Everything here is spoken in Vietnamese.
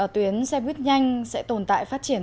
tuyến xe bíp nhanh sẽ tồn tại phát triển